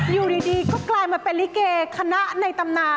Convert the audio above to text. อยู่ดีก็กลายมาเป็นลิเกคณะในตำนาน